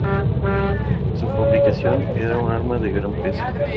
Por su fabricación, era un arma de gran peso.